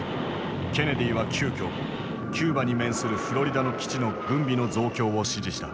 ケネディは急きょキューバに面するフロリダの基地の軍備の増強を指示した。